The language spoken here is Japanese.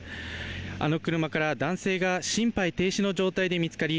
あの車から男性が心肺停止の状態で見つかり